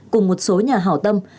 cùng một số nhà hảo tâm